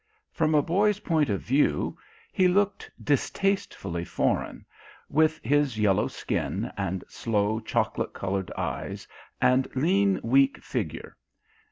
From a boy's point of view he looked distastefully foreign, with his yellow skin, and slow chocolate coloured eyes, and lean weak figure.